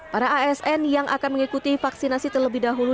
para asn yang akan mengikuti vaksinasi terlebih dahulu